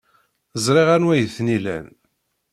Ẓriɣ anwa ay ten-ilan.